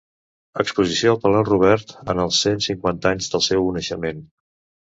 Exposició al Palau Robert, en els cent cinquanta anys del seu naixement.